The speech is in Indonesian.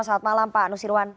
selamat malam pak nusirwan